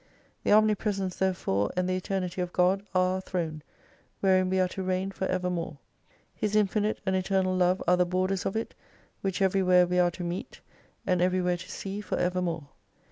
The Omnipresence there fore, and the Eternity of God are our Throne, wherein we are to reign for evermore. His infinite and eternal Love are the borders of it, which everywhere we are to meet, and everywhere to see for evermore.